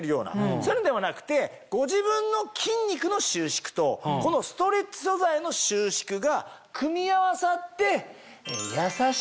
そういうのではなくてご自分の筋肉の収縮とこのストレッチ素材の収縮が組み合わさって。